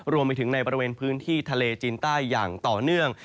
รวมไปถึงในบริเวณพื้นที่ทะเลจีนใต้อย่างต่อเนื่อง